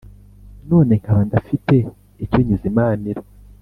none nkaba ndafite icyo nyizimanira: